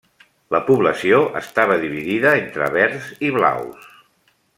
La població estava dividida entre verds i blaus.